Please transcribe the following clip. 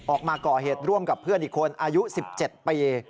ออกมาก่อเหตุร่วมกับเพื่อนอีกคนอายุ๑๗ปี